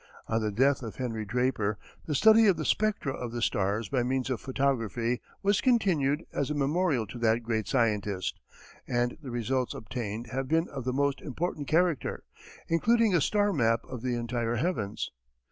On the death of Henry Draper, the study of the spectra of the stars by means of photography was continued as a memorial to that great scientist, and the results obtained have been of the most important character, including a star map of the entire heavens.